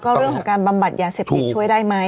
เรื่องของการบำบัดยาเสพติดช่วยได้ไหม